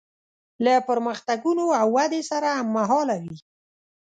له پرمختګونو او ودې سره هممهاله وي.